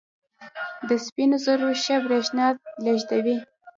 د سپینو زرو ښه برېښنا لېږدوي.